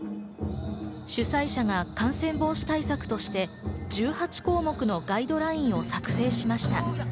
主催者が感染防止対策として１８項目のガイドラインを作成しました。